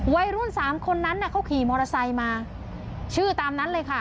วัยรุ่นสามคนนั้นน่ะเขาขี่มอเตอร์ไซค์มาชื่อตามนั้นเลยค่ะ